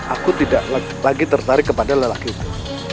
aku tidak lagi tertarik kepada lelaki itu